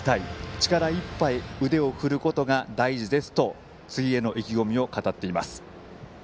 力いっぱい腕を振ることが大事ですと次への意気込みを語っています。